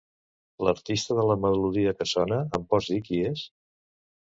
L'artista de la melodia que sona, em pots dir qui és?